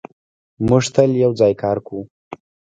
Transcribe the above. موږ تل یو ځای کار کوو.